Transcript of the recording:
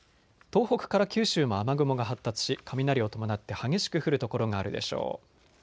東北から九州も雨雲が発達し雷を伴って激しく降る所があるでしょう。